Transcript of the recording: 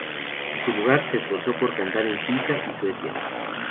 En su lugar, se esforzó por cantar en Suiza y Suecia.